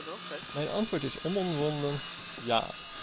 Mijn antwoord is onomwonden: ja.